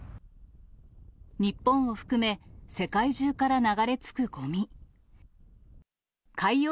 日本を含め、世界中から流れ着くごみ。